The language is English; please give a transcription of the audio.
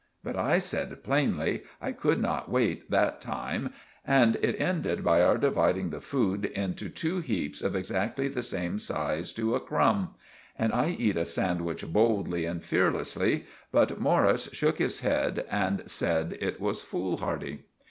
But I said planely I could not waite that time and it ended by our dividing the food into two heaps of exactly the same size to a crumb. And I eat a sandwich boldly and fearlessly, but Morris shook his head and said it was foolhardy.